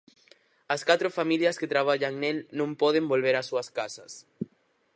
As catro familias que traballan nel non poden volver ás súas casas.